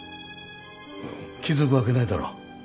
気付くわけないだろ。